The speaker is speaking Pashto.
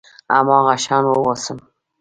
هماغه شان واوسم .